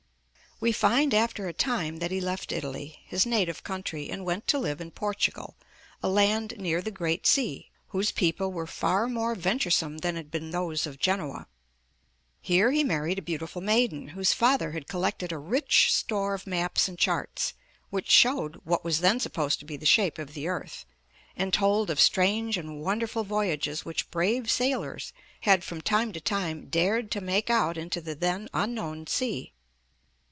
We find after a time that he left Italy, his native country, and went to live in Portugal, a land near the great sea, whose people were far more venturesome than had been those of Genoa. Here he married a beautiful maiden, whose father had collected a rich store of maps and charts, which showed what was 205 MY BOOK HOUSE then supposed to be the shape of the earth, and told of strange and wonderful voyages which brave sailors had from time to time dared to make out into the then unknown sea.